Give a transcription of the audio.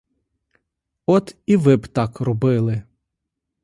От і ви б так робили.